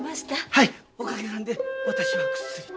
はいおかげさんで私はぐっすりと。